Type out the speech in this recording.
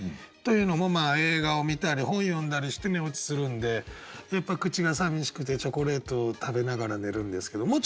というのも映画を見たり本読んだりして寝落ちするんでやっぱり口がさみしくてチョコレートを食べながら寝るんですけど。